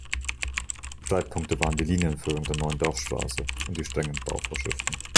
Streitpunkte waren die Linienführung der neuen Dorfstrasse und die strengen Bauvorschriften.